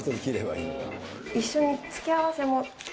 一緒に付け合わせも。